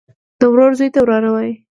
د ورور زوى ته وراره وايي.